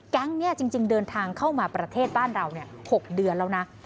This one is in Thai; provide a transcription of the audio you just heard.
แก๊งนี้จริงเดินทางเข้ามาประเทศบ้านเรา๖เดือนแล้วนะ